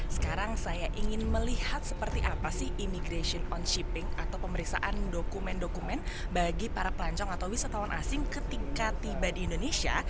sekarang saya ingin melihat seperti apa sih imigration onshipping atau pemeriksaan dokumen dokumen bagi para pelancong atau wisatawan asing ketika tiba di indonesia